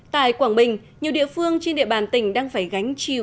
tại quảng bình nhiều địa phương trên địa bàn tỉnh đang phải gánh chịu